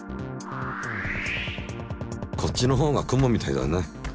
こっちのほうが雲みたいだね。